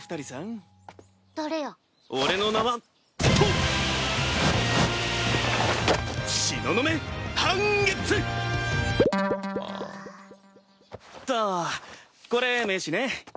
っとこれ名刺ね。